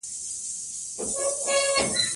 زدهکوونکي باید پښتو ولولي.